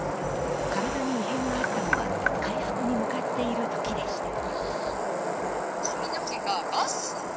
体に異変があったのは回復に向かっている時でした。